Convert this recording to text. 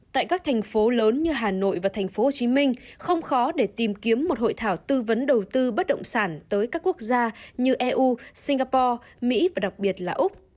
tại các thành phố lớn như hà nội và thành phố hồ chí minh không khó để tìm kiếm một hội thảo tư vấn đầu tư bất động sản tới các quốc gia như eu singapore mỹ và đặc biệt là úc